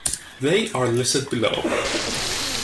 They are listed below.